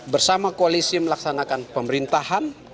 bersama koalisi melaksanakan pemerintahan